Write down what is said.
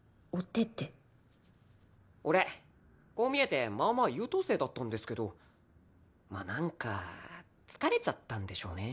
俺こう見えてまあまあ優等生だったんですけどまあ何か疲れちゃったんでしょうね。